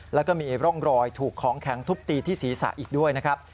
แล้วก็มีร่องรอยถูกของแข็งทุบตีที่ศีรษะอีกด้วยนะครับ